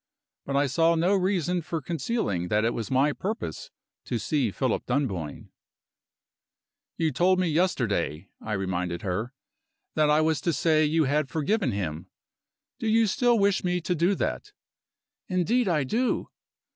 But I saw no reason for concealing that it was my purpose to see Philip Dunboyne. "You told me yesterday," I reminded her, "that I was to say you had forgiven him. Do you still wish me to do that?" "Indeed I do!"